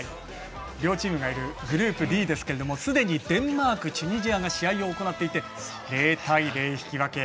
両チームがいるグループＤですけれどもすでにデンマーク、チュニジアが試合を行っていて０対０、引き分け。